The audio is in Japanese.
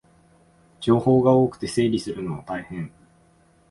情報が多くて整理するのも大変